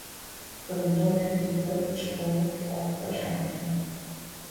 پرندوں میں تیتر چکور فاختہ شامل ہیں